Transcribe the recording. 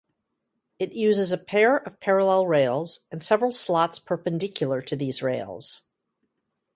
It uses a pair of parallel rails and several slots perpendicular to these rails.